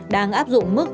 đang áp dụng mức